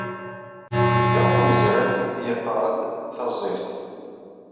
Yebda unezraf yeqqar-d taẓirt.